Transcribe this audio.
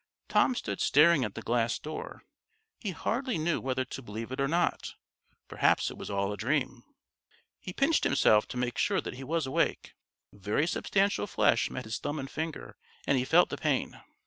Tom stood staring at the glass door. He hardly knew whether to believe it or not perhaps it was all a dream. He pinched himself to make sure that he was awake. Very substantial flesh met his thumb and finger, and he felt the pain.